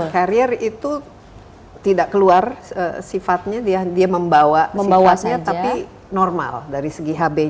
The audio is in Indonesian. karier itu tidak keluar sifatnya dia membawa sifatnya tapi normal dari segi hb nya